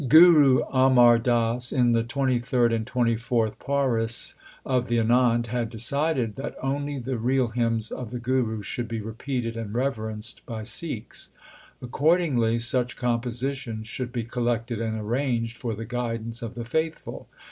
Guru Amar Das, in the twenty third and twenty fourth pauris of the Anand, had decided that only the real hymns of the Guru should be repeated and reverenced by Sikhs. Accordingly, such compositions should be collected and arranged for the guidance of the faithful.